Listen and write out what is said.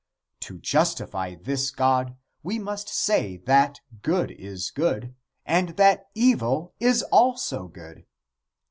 To justify this God we must say that good is good and that evil is also good.